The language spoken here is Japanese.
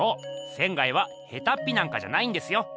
仙はヘタッピなんかじゃないんですよ。